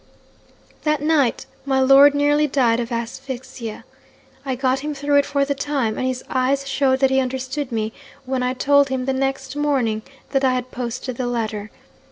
'"That night my lord nearly died of asphyxia. I got him through it for the time; and his eyes showed that he understood me when I told him, the next morning, that I had posted the letter.